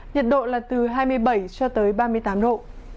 nhiệt độ là từ hai mươi bảy cho tới ba mươi tám độ